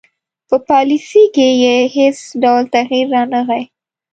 په پالیسي کې یې هیڅ ډول تغیر رانه غی.